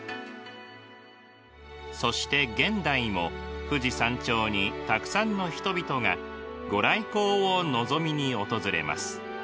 そして現代も富士山頂にたくさんの人々が御来光を望みに訪れます。